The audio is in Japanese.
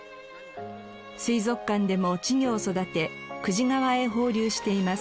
水族館でも稚魚を育て久慈川へ放流しています。